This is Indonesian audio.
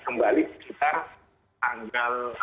kembali sekitar tanggal sebelas